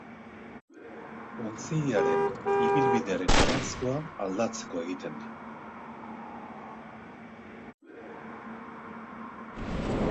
Ontziaren ibilbidearen noranzkoa aldatzeko egiten da.